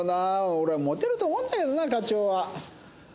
俺はモテると思うんだけどな課長は。